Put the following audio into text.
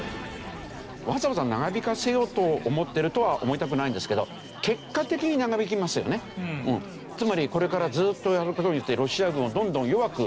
わざわざ長引かせようと思ってるとは思いたくないんですけどつまりこれからずっとやる事によって。